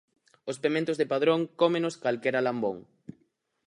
Os pementos de padrón cómenos calquera lambón